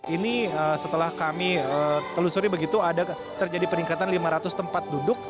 ini setelah kami telusuri begitu ada terjadi peningkatan lima ratus tempat duduk